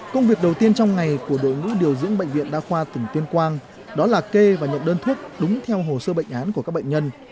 công việc đầu tiên trong ngày của đội ngũ điều dưỡng bệnh viện đa khoa tỉnh tuyên quang đó là kê và nhận đơn thuốc đúng theo hồ sơ bệnh án của các bệnh nhân